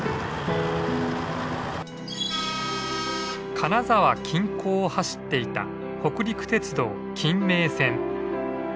金沢近郊を走っていた北陸鉄道金名線。